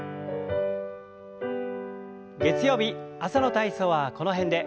月曜日朝の体操はこの辺で。